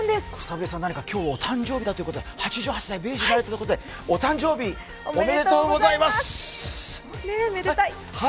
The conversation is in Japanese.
今日お誕生日だということで、８８歳米寿だということでお誕生日おめでとうございます。